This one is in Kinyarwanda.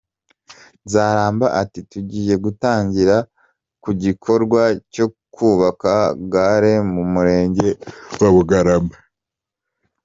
Nzaramba ati “ Tugiye gutangirira ku gikorwa cyo kubaka gare mu Murenge wa Bugarama”.